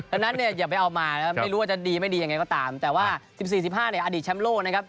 ดังนั้นเนี่ยอย่าไปเอามานะครับไม่รู้ว่าจะดีไม่ดียังไงก็ตามแต่ว่า๑๔๑๕เนี่ยอดีตแชมป์โลกนะครับ